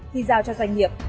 khi giao cho doanh nghiệp